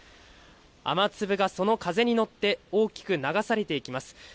雨粒がその風に乗って、大きく流されていきます。